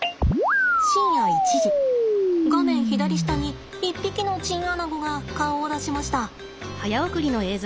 深夜１時画面左下に一匹のチンアナゴが顔を出しました。